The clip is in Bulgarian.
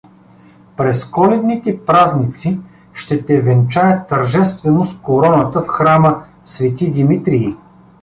През коледните празници ще те венчея тържествено с короната в храма „Св. Димитрий“.